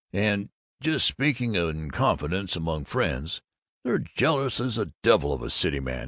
And, just speaking in confidence among friends, they're jealous as the devil of a city man.